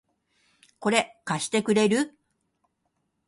これ、貸してくれる？